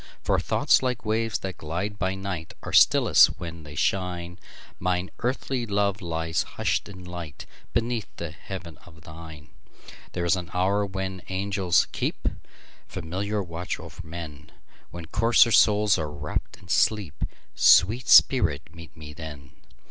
For thoughts, like waves that glide by night, Are stillest when they shine; Mine earthly love lies hush'd in lightBeneath the heaven of thine. There is an hour when angels keepFamiliar watch o'er men, When coarser souls are wrapp'd in sleep—Sweet spirit, meet me then!